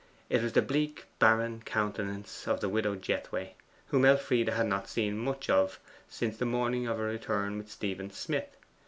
It was the bleak barren countenance of the widow Jethway, whom Elfride had not seen much of since the morning of her return with Stephen Smith.